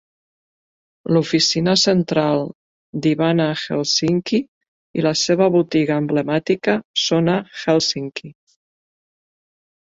L'oficina central d'Ivana Helsinki i la seva botiga emblemàtica són a Hèlsinki.